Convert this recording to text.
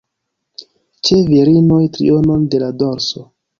Ĉe virinoj, trionon de la dorso.